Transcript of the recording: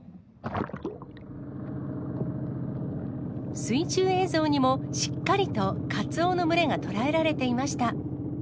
水中映像にも、しっかりとカツオの群れが捉えられていました。